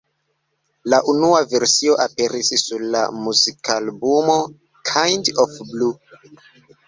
La unua versio aperis sur la muzikalbumo Kind of Blue.